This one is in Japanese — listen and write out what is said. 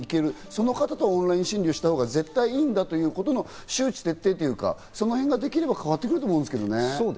その方とオンライン診療したほうが絶対いいんだということも周知徹底というか、その辺ができれば変わってくると思いますけどね。